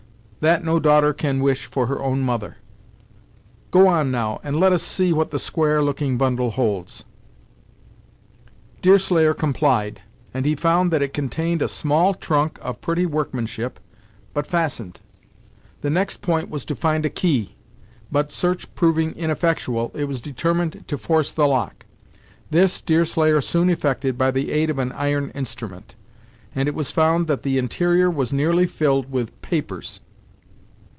That no daughter can wish for her own mother! Go on, now, and let us see what the square looking bundle holds." Deerslayer complied, and he found that it contained a small trunk of pretty workmanship, but fastened. The next point was to find a key; but, search proving ineffectual, it was determined to force the lock. This Deerslayer soon effected by the aid of an iron instrument, and it was found that the interior was nearly filled with papers.